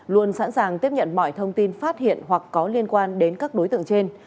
luôn sẵn sàng tiếp nhận mọi thông tin phát hiện hoặc có liên quan đến các đối tượng trên